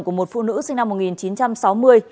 của một phụ nữ sinh năm một nghìn chín trăm sáu mươi